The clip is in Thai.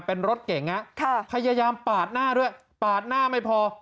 เป็นรถเก่งพยายามปาดหน้าด้วยปาดหน้าไม่พอ